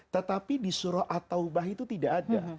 tetapi di surah at taubah itu tidak ada